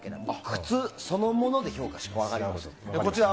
靴そのもので評価します。